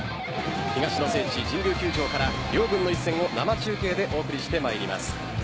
東の聖地・神宮球場から両軍の一戦を生中継でお送りして参ります。